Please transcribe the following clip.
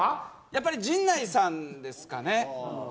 やっぱり陣内さんですかね。